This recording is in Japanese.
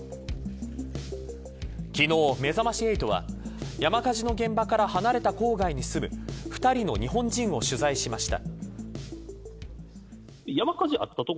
昨日、めざまし８は山火事の現場から離れた郊外に住む２人の日本人を取材しました。